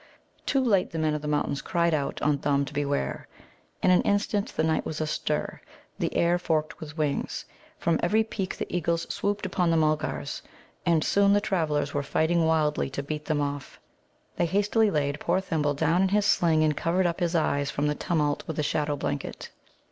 Too late the Men of the Mountains cried out on Thumb to beware. In an instant the night was astir, the air forked with wings. From every peak the eagles swooped upon the Mulgars. And soon the travellers were fighting wildly to beat them off. They hastily laid poor Thimble down in his sling and covered up his eyes from the tumult with a shadow blanket.